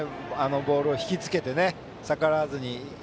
ボールを引き付けて、逆らわずに。